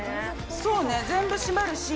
そうね、全部閉まるし、いい。